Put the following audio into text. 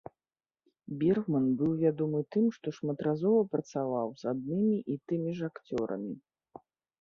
Бергман быў вядомы тым, што шматразова працаваў з аднымі і тымі ж акцёрамі.